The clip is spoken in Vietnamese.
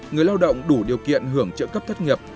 người lao động đủ điều kiện hưởng trợ cấp thất nghiệp